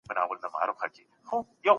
اورېدل د ټولنیزو اړیکو لپاره تر لیکلو مهم دي.